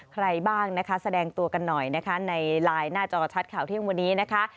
ใครบ้างนะคะแสดงตัวกันหน่อยนะคะในไลน์หน้าจอชัดข่าวเที่ยงวันนี้นะคะ